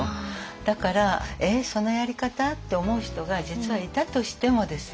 だから「えっそのやり方？」って思う人が実はいたとしてもですね